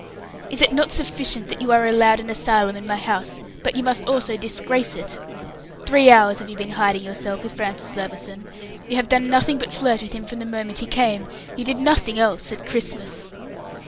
"Is it not sufficient that you are allowed an asylum in my house, but you must also disgrace it! Three hours have you been hiding yourself with Francis Levison! You have done nothing but flirt with him from the moment he came; you did nothing else at Christmas."